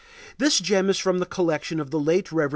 This gem is from the collection of the late Rev. C.